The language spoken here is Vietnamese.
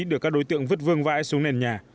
được các đối tượng vứt vương vãi xuống nền nhà